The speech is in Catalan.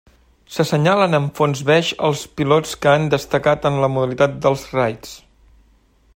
S'assenyalen amb fons beix els pilots que han destacat en la modalitat dels raids.